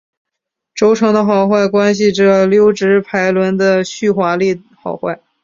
轴承的好坏关系着溜直排轮的续滑力好坏。